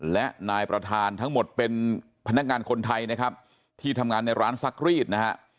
และนายประธานทั้งหมดเป็นพนักงานคนไทยนะครับที่ทำงานในร้านซักรีดนะฮะ